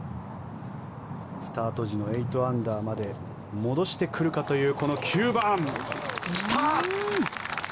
スタート時の８アンダーまで戻してくるかというこの９番。来た！